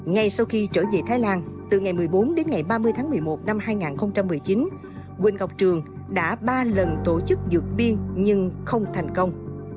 ngay sau khi trở về thái lan từ ngày một mươi bốn đến ngày ba mươi tháng một mươi một năm hai nghìn một mươi chín quỳnh ngọc trường đã ba lần tổ chức dược biên nhưng không thành công